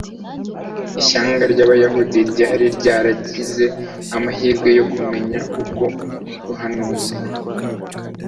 Ishyanga ry'abayuda ryari ryaragize amahirwe yo kumenya ubwo buhanuzi